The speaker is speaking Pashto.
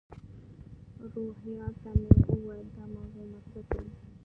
روهیال ته مې وویل دا موضوع مطرح کړي.